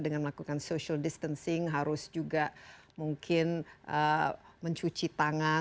dengan melakukan social distancing harus juga mungkin mencuci tangan